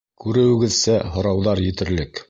Күреүегеҙсә, һорауҙар етерлек.